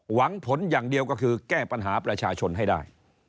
หวังผลอย่างเดียวก็คือแก้ปัญหาประชาชนให้ได้